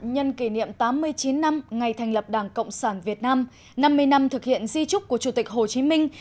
nhân kỷ niệm tám mươi chín năm ngày thành lập đảng cộng sản việt nam năm mươi năm thực hiện di trúc của chủ tịch hồ chí minh